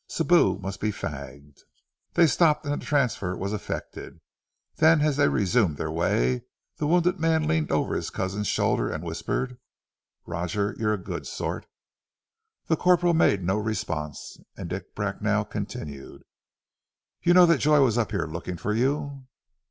Sibou must be fagged." They stopped and the transfer was effected, then as they resumed their way, the wounded man leaned over his cousin's shoulder, and whispered "Roger you're a good sort!" The corporal made no response, and Dick Bracknell continued, "You know that Joy was up here looking for you?"